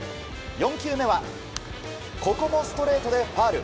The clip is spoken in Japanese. ４球目はここもストレートでファウル。